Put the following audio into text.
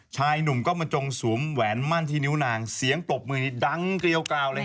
ชายหนุ่มก็มาจงสวมแหวนมั่นที่นิ้วนางเสียงปรบมือนี้ดังเกลียวกราวเลยครับ